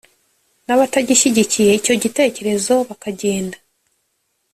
n’abatagishyigikiye, icyo gitekerezo bakagenda